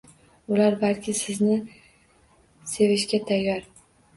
Ular balki sizni sevishga tayyor.